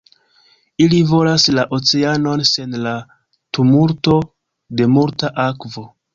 Ili volas la oceanon sen la tumulto de multa akvo.